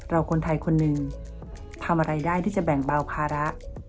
คนไทยคนหนึ่งทำอะไรได้ที่จะแบ่งเบาภาระ